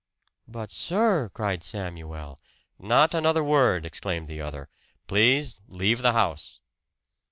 "But, sir!" cried Samuel. "Not another word!" exclaimed the other. "Please leave the house!"